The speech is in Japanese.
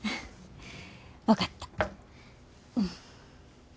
分かった。